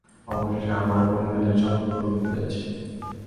অবশেষে, আমার এবং মেলের স্বপ্ন পূরণ করতে যাচ্ছি।